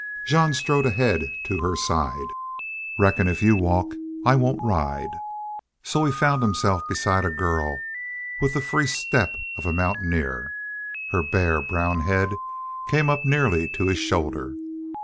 Jean strode ahead to her side. "Reckon if you walk I won't ride." So he found himself beside a girl with the free step of a Mountaineer. Her bare, brown head came up nearly to his shoulder.